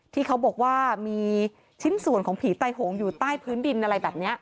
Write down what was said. ที่เขาบอกว่ามีชิ้นส่วนของผีไตโหงอยู่ใต้พื้นดินอะไรแบบนี้